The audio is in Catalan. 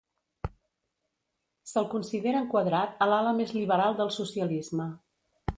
Se'l considera enquadrat a l'ala més liberal del socialisme.